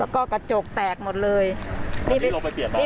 แล้วก็กระจกแตกหมดเลยอันนี้เราไปเปลี่ยนมาแล้ว